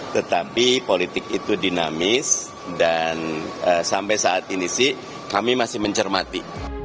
tetapi politik itu dinamis dan sampai saat ini sih kami masih mencermati